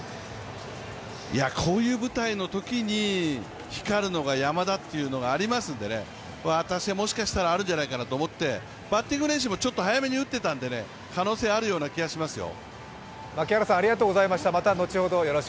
こういう舞台のときに光るのが山田というのがありますんで、私はもしかしたらあるんじゃないかと思ってバッティング練習もちょっと早めに打ってたので、可能性はあるような気がしますよ。